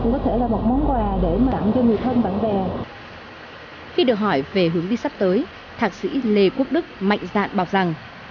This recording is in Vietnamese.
khi được hỏi về hướng đi sắp tới thạc sĩ lê quốc đức mạnh dạn bảo rằng